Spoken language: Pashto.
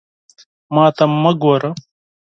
ما ته مه ګوره!